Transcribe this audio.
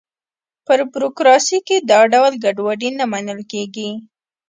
په بروکراسي کې دا ډول ګډوډي نه منل کېږي.